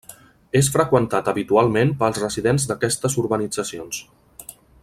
És freqüentat habitualment pels residents d'aquestes urbanitzacions.